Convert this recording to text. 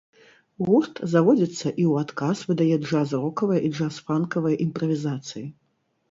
Гурт заводзіцца і ў адказ выдае джаз-рокавыя і джаз-фанкавыя імправізацыі.